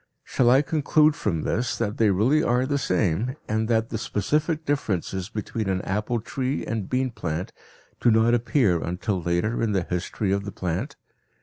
Shall I conclude from this that they really are the same and that the specific differences between an apple tree and bean plant do not appear until later in the history of the plant?